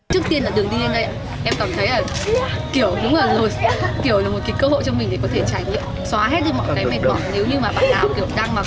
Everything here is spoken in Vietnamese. trước tiên là đường đi lên đây em cảm thấy kiểu đúng là một cái cơ hội cho mình để có thể trải nghiệm